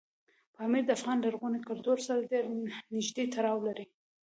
پامیر د افغان لرغوني کلتور سره ډېر نږدې تړاو لري.